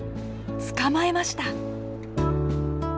捕まえました。